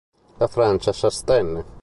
La Francia s'astenne.